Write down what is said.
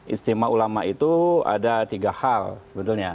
istimewa ulama itu ada tiga hal sebetulnya